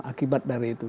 akibat dari itu